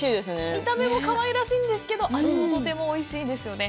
見た目もかわいらしいんですけど、味もとてもおいしいですよね。